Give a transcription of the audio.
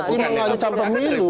ini mengancam pemilu